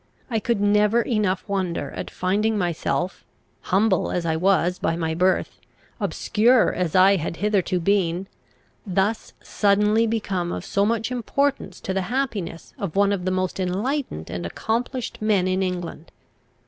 I could never enough wonder at finding myself, humble as I was by my birth, obscure as I had hitherto been, thus suddenly become of so much importance to the happiness of one of the most enlightened and accomplished men in England.